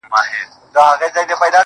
مستي، مستاني، سوخي، شنګي د شرابو لوري.